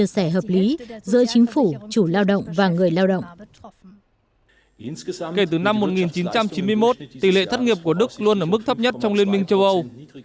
kể từ năm một nghìn chín trăm chín mươi một tỷ lệ thất nghiệp của đức luôn ở mức thấp nhất trong liên minh châu âu